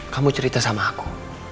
kamu cerita sama aku